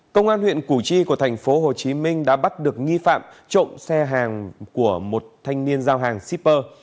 công an huyện củ chi của thành phố hồ chí minh đã bắt được nghi phạm trộm xe hàng của một thanh niên giao hàng shipper